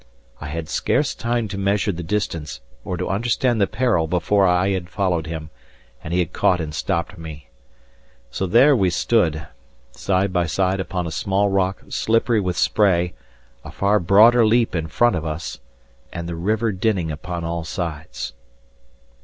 I had scarce time to measure the distance or to understand the peril before I had followed him, and he had caught and stopped me. So there we stood, side by side upon a small rock slippery with spray, a far broader leap in front of us, and the river dinning upon all sides.